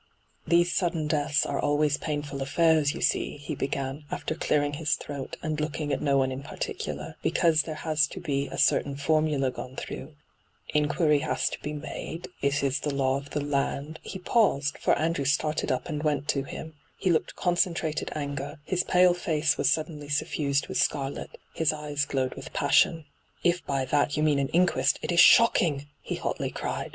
' These sudden deaths are always painful affairs, you see,' he began, after cleiu'ing hia throat and looking at no one in particular, * because there has to be a certain formula gone through — inquiry has to be made ; it is the law of the land ' He paused, for Andrew started up and went to him ; he looked concentrated anger, his pale face was suddenly suffused with scarlet, his eyes glowed with passion. ' If by that you mean an inquest, it is shocking !' he hotly cried.